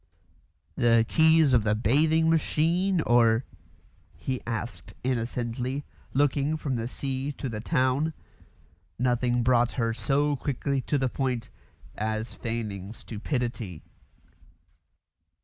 "The keys of the bathing machine, or ?" he asked innocently, looking from the sea to the town. Nothing brought her so quickly to the point as feigning stupidity.